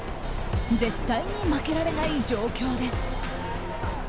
絶対に負けられない状況です。